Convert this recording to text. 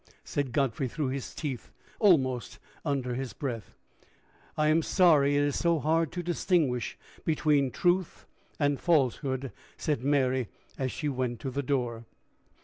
said Godfrey through his teeth, and almost under his breath. "I am sorry it is so hard to distinguish between truth and falsehood," said Mary, as she went to the door.